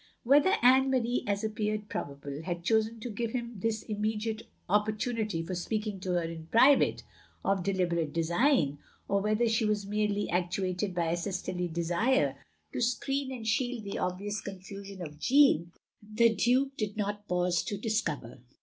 Whether Anne Marie, as appeared probable, had chosen to give him this immediate oppor tunity for speaking to her in private, of deliberate design, or whether she was merely actuated by a sisterly desire to screen and shield the obvious confusion of Jeaime the Duke did not pause to discover.